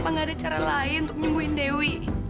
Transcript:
nggak ada cara lain untuk nyembuhin dewi